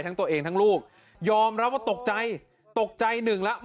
ทั้งตัวเองทั้งลูกยอมรับว่าตกใจตกใจหนึ่งแล้ว